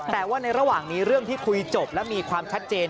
แต่ว่าในระหว่างนี้เรื่องที่คุยจบและมีความชัดเจน